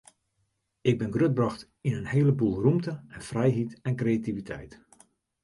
Ik bin grutbrocht yn in hele boel rûmte en frijheid en kreativiteit.